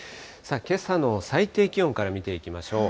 けさの最低気温から見ていきましょう。